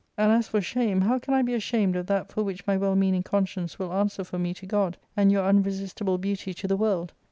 And as for shame, how can I be ashamed of that for which my well meaning conscience will answer for me to God, and your unresistible beauty to the world